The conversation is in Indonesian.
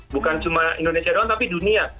bukan cuma indonesia doang tapi dunia